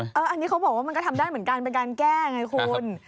อันนี้เขาบอกว่ามันก็ทำได้เหมือนกันเป็นการแก้ไงคุณ